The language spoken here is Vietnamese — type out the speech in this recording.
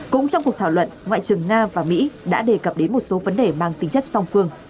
cũng trong cuộc thảo luận ngoại trưởng nga và mỹ đã đề cập đến một số vấn đề mang tính chất song phương